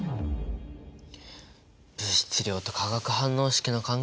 物質量と化学反応式の関係か。